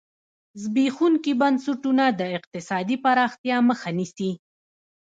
زبېښونکي بنسټونه د اقتصادي پراختیا مخه نیسي.